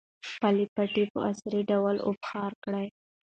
خپلې پټۍ په عصري ډول اوبخور کړئ.